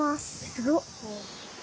すごっ！